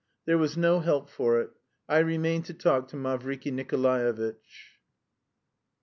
There was no help for it, I remained to talk to Mavriky Nikolaevitch.